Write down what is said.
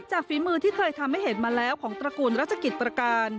ฝีมือที่เคยทำให้เห็นมาแล้วของตระกูลรัชกิจประการ